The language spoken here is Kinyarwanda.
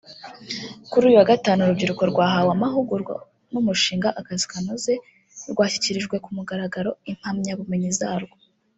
Kuri uyu wa gatanu urubyiruko rwahawe amahugurwa n'umushinga 'Akazi Kanoze' rwashyikirijwe ku mugaragaro impamyabumenyi zarwo